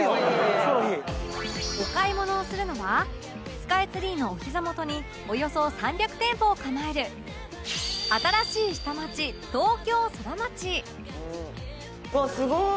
お買い物をするのはスカイツリーのおひざ元におよそ３００店舗を構える新しい下町東京ソラマチわあすごっ！